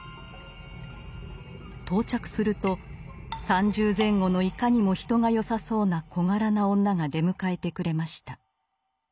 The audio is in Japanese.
到着すると三十前後のいかにも人が好さそうな小柄な女が出迎えてくれました。